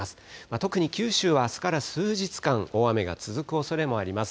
特に九州はあすから数日間、大雨が続くおそれもあります。